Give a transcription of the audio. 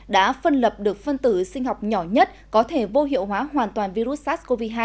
đã phân lập được phân tử sinh học nhỏ nhất có thể vô hiệu hóa hoàn toàn virus sars cov hai